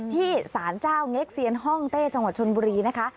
ที่สารเจ้าเง็กเซียนห้องเต้จังหวัดชนบุรีนะคะ